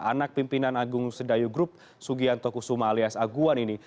anak pimpinan agung sedayu group sugianto kusuma alias aguan ini